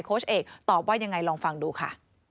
เอกตอบว่ายังไงลองฟังดูค่ะ